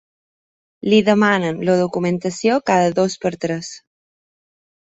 Li demanen la documentació cada dos per tres.